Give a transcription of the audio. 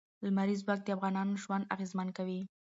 لمریز ځواک د افغانانو ژوند اغېزمن کوي.